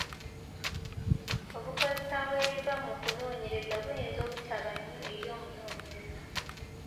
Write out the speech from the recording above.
Obukozesa bw’ebiva mu kunooneyereza buyinza obutaba nnyo eri omunoonyereza.